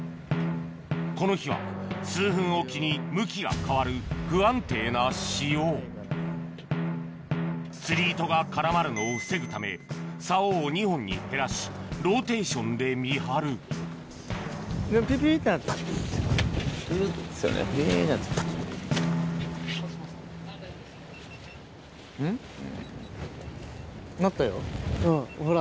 この日は数分置きに向きが変わる釣り糸が絡まるのを防ぐため竿を２本に減らしローテーションで見張る鳴ったよほら。